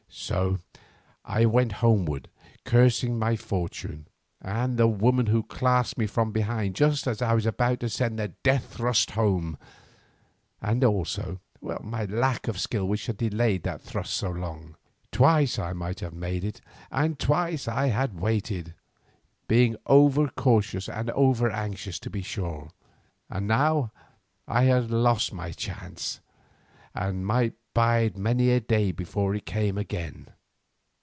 So I went homeward cursing my fortune, and the woman who had clasped me from behind just as I was about to send the death thrust home, and also my lack of skill which had delayed that thrust so long. Twice I might have made it and twice I had waited, being overcautious and over anxious to be sure, and now I had lost my chance, and might bide many a day before it came again.